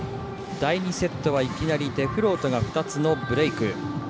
第２セットはいきなりデフロートが２つのブレーク。